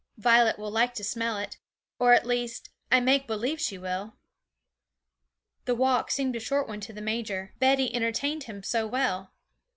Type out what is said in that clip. Violet will like to smell it at least, I make believe she will.' The walk seemed a short one to the major, Betty entertained him so well.